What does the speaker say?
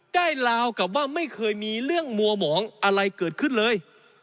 ลาวกับว่าไม่เคยมีเรื่องมัวหมองอะไรเกิดขึ้นเลย